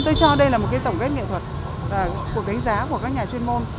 tôi cho đây là một tổng kết nghệ thuật của đánh giá của các nhà chuyên môn